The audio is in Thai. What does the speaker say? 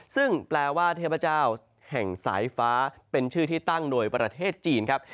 ซึ่งแปลว่าเทพเจ้าแห่งสายฟ้าเป็นชื่อที่ตั้งโดยประเทศจีนครับ